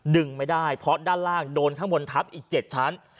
ดึงไม่ได้เพราะด้านล่างโดนข้างบนทับอีก๗ชั้น